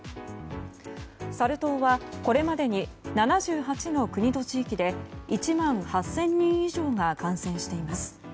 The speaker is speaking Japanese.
サル痘はこれまでに７８の国と地域で１万８０００人以上が感染しています。